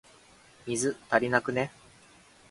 水、足りなくね？